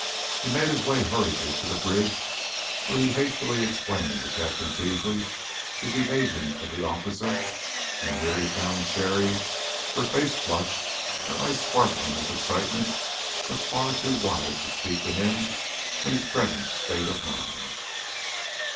He made his way hurriedly to the bridge, where he hastily explained to Captain Peasley his evasion of the officers; and here he found Cherry, her face flushed, her eyes sparkling with excitement, but far too wise to speak to him in his present state of mind.